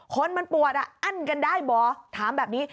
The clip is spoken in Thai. คนมันปวดอ่ะอั้นกันได้เหรอถามแบบนี้